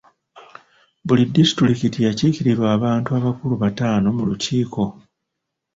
Buli disitulikiti yakiikirirwa abantu abakulu bataano mu lukiiko.